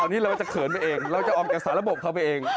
อันนี้เราจะเขินไปเองเราจะออกจากสารบกเข้าไปเอง